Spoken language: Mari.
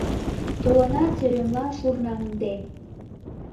Толынат сӧремлам шурнаҥден